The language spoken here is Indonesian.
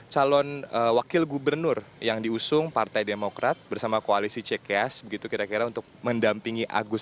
cnn indonesia breaking news